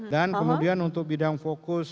dan kemudian untuk bidang fokus